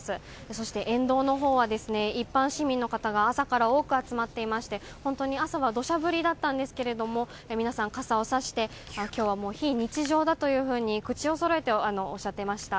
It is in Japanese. そして沿道のほうは一般市民の方が朝から多く集まっていまして本当に朝は土砂降りだったんですけれども皆さん、傘をさして今日は非日常だというふうに口をそろえておっしゃっていました。